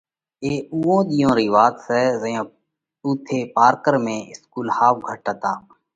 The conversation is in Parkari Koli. اي اُوئون ۮِيئون رئِي وات سئہ زئيون اُوٿئہ پارڪر ۾ اسڪُول ۿاوَ گھٽ هتا۔